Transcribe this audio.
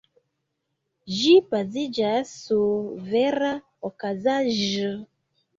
Ĝi baziĝas sur vera okazaĵo.